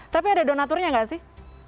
tapi ada donaturnya nggak sih